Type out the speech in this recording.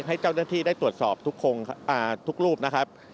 ให้เจ้าหน้าที่ได้ตรวจสอบทุกรูปนะครับ